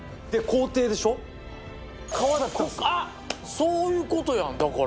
そういうことやんだから。